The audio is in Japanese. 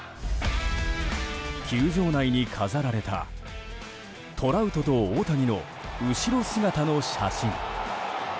球場内に飾られたトラウトと大谷の後ろ姿の写真。